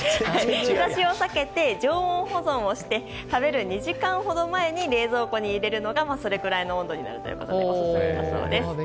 日差しを避けて常温保存をして食べる２時間ほど前に冷蔵庫に入れるのがそれくらいの温度になるのでオススメだそうです。